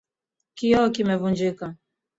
Kioo kimevunjika.